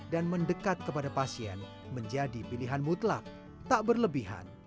dan mendekat kepada pasien menjadi pilihan mutlak tak berlebihan